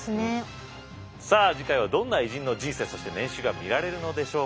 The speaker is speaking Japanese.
さあ次回はどんな偉人の人生そして年収が見られるのでしょうか。